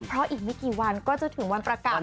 เพราะอีกไม่กี่วันก็จะถึงวันประกาศ